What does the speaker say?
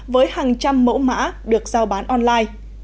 với hàng trăm mẫu mã được giao bán online